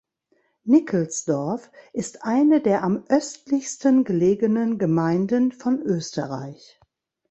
Nickelsdorf ist eine der am östlichsten gelegenen Gemeinden von Österreich.